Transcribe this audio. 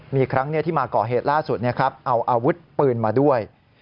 มีครั้งที่มาก่อเหตุล่าสุดเอาอาวุธปืนมาด้วย